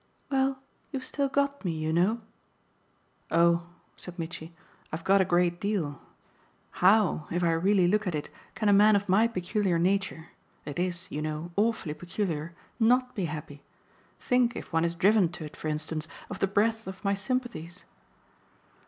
"Well, you've still GOT me, you know." "Oh," said Mitchy, "I've got a great deal. How, if I really look at it, can a man of my peculiar nature it IS, you know, awfully peculiar NOT be happy? Think, if one is driven to it for instance, of the breadth of my sympathies."